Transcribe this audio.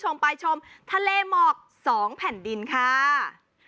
แก้ปัญหาผมร่วงล้านบาท